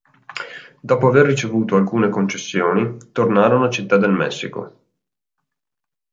Dopo aver ricevuto alcune concessioni, tornarono a Città del Messico.